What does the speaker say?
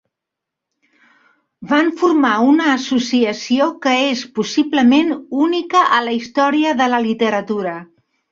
Van formar una associació que és possiblement única a la història de la literatura.